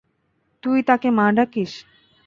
তুই তাকে মা ডাকিস।